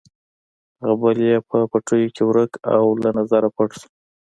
هغه بل یې په پټیو کې ورک او له نظره پټ شو.